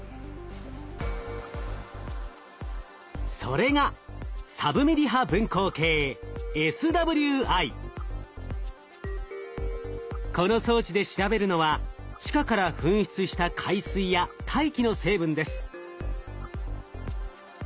それがこの装置で調べるのは地下から噴出した海水や大気の成分です。